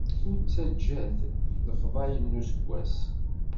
Ur ttaǧǧat lefḍayel n useggas.